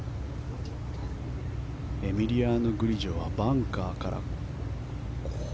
エミリアノ・グリジョはバンカーから。